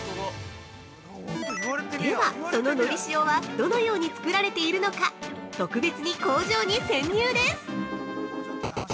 では、そののり塩はどのように作られているのか特別に工場に潜入です！